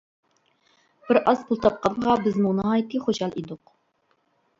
بىر ئاز پۇل تاپقانغا بىزمۇ ناھايىتى خۇشال ئىدۇق.